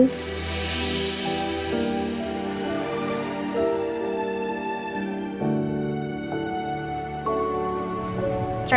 untuk memulai hidup baru